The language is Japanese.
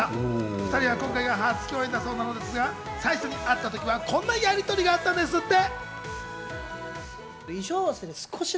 ２人は今回が初共演だそうなのですが、最初に会った時はこんなやりとりがあったんですって。